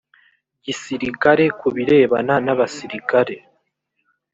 gisirikare ku birebana n abasirikare